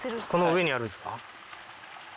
この上にあるんですか？